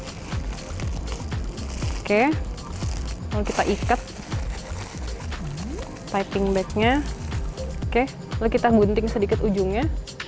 oke kalau kita ikat piping bag nya oke kalau kita gunting sedikit ujungnya